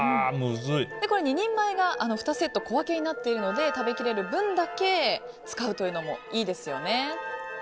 ２人前が２セット小分けになっているので食べきれる分まで使うというのもいいですよね。